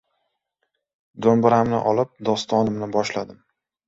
Do‘mbiramni olib dostonimni boshladim.